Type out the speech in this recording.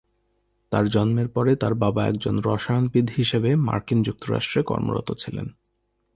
তার জন্মের পরে তার বাবা একজন রসায়নবিদ হিসেবে মার্কিন যুক্তরাষ্ট্রে কর্মরত ছিলেন।